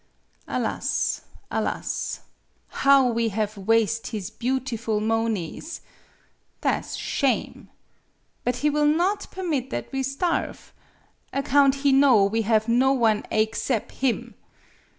"Alas alas! How we have waste his beau tiful moaneys! Tha' 's shame. But he will not permit that we starve account he know we have no one aexcep' him.